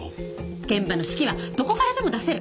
現場の指揮はどこからでも出せる。